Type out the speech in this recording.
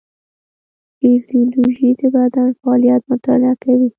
فیزیولوژي د بدن فعالیت مطالعه کوي